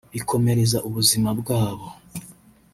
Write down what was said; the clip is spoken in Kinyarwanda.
bikomereza ubuzima bwabo